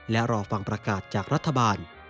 และรอฟังประกาศจากรัฐบาล